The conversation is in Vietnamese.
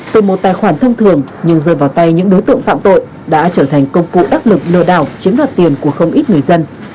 từ một tài khoản thông thường nhưng rơi vào tay những đối tượng phạm tội đã trở thành công cụ đắc lực lừa đảo chiếm đoạt tiền của không ít người dân